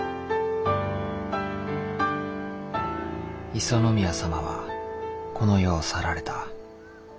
五十宮様はこの世を去られた。